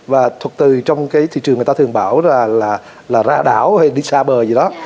và từ trong cái thị trường người ta thường bảo là ra đảo hay đi xa bờ vậy đó